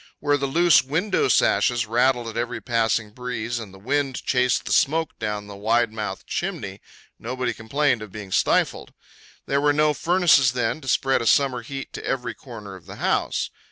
Where the loose window sashes rattled at every passing breeze, and the wind chased the smoke down the wide mouthed chimney, nobody complained of being stifled. There were no furnaces then to spread a summer heat to every corner of the house.